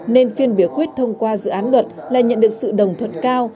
nên phiên biểu quyết thông qua dự án luật là nhận được sự đồng thuận cao